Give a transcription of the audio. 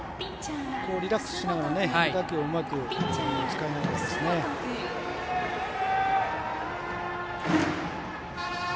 リラックスしながら変化球をうまく使いながらでした。